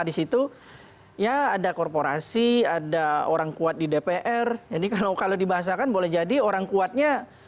di situ ya ada korporasi ada orang kuat di dpr jadi kalau kalau dibahasakan boleh jadi orang kuatnya